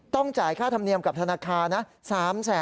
ต้องจ่ายค่าธรรมเนียมกับธนาคารนะ